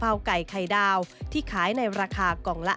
เป็นอย่างไรนั้นติดตามจากรายงานของคุณอัญชาฬีฟรีมั่วครับ